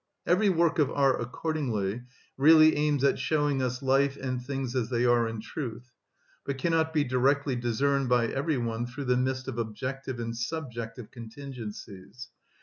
Every work of art accordingly really aims at showing us life and things as they are in truth, but cannot be directly discerned by every one through the mist of objective and subjective contingencies.